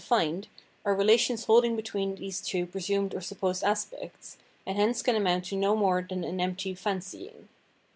310 Phenomenology of Mind fizid, are relations holding between these two presumed or supposed aspects, and hence can amount to no more than an empty ''fancying."